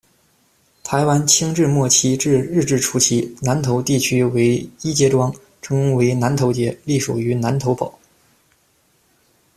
台湾清治末期至日治初期，南投地区为一街庄，称为「南投街」，隶属于南投堡。